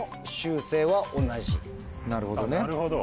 なるほど。